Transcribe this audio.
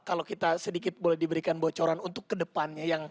kalau kita sedikit boleh diberikan bocoran untuk kedepannya